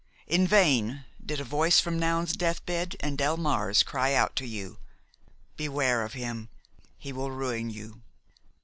In vain did a voice from Noun's deathbed and Delmare's cry out to you: 'Beware of him, he will ruin you!'